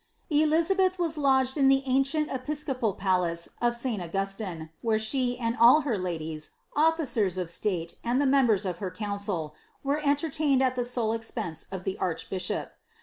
Elizabeth was lodged in ihe ancient episcopal palace of St. Augustine, where she and all her ladies, officers of stale, and the members of her council, were entertained at the sole expense of the archbishop.